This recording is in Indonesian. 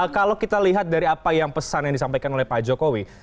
kalau kita lihat dari apa yang pesan yang disampaikan oleh pak jokowi